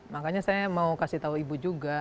makanya saya mau kasih tahu ibu juga